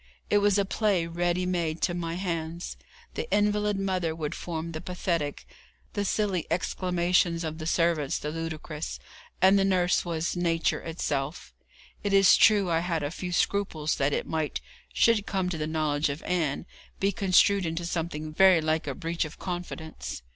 It was a play ready made to my hands. The invalid mother would form the pathetic, the silly exclamations of the servants the ludicrous, and the nurse was nature itself. It is true I had a few scruples that it might, should it come to the knowledge of Ann, be construed into something very like a breach of confidence.